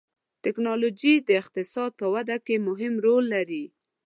ټکنالوجي د اقتصاد په وده کې مهم رول لري.